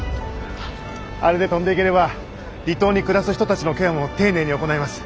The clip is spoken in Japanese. あれで飛んでいければ離島に暮らす人たちのケアも丁寧に行えます。